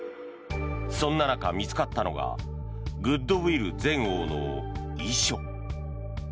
そんな中、見つかったのがグッドウィル前王の遺書。